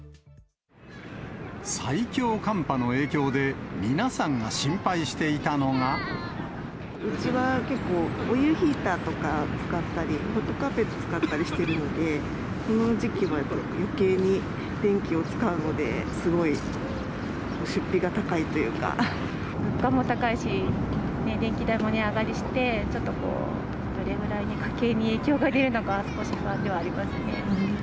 最強寒波の影響で、皆さんがうちは結構、オイルヒーターとか使ったり、ホットカーペット使ったりしてるので、この時期はよけいに電気を使うので、物価も高いし、電気代も値上がりして、ちょっとこう、どれぐらいに家計に影響が出るのか、少し不安ではありますね。